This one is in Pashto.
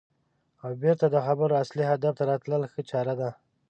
او بېرته د خبرو اصلي هدف ته راتلل ښه چاره ده.